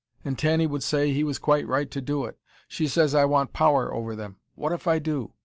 And Tanny would say, he was quite right to do it. She says I want power over them. What if I do?